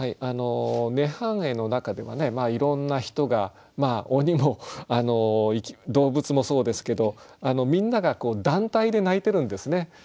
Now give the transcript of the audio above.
あの涅槃絵の中ではいろんな人がまあ鬼も動物もそうですけどみんなが団体で泣いてるんですね。